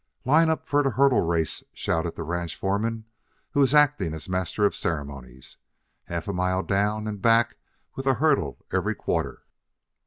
"Line up for the hurdle race!" shouted the ranch foreman, who was acting as master of ceremonies. "Half mile down and back with a hurdle every quarter!"